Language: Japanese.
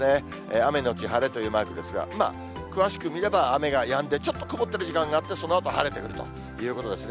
雨後晴れというマークですが、まあ、詳しく見れば雨がやんで、ちょっと曇ってる時間があって、そのあと晴れてくるということですね。